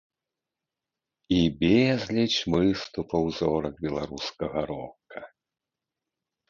І безліч выступаў зорак беларускага рока.